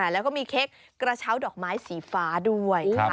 แล้วก็มีเค้กกระเช้าดอกไม้สีฟ้าด้วย